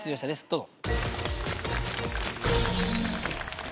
どうぞ。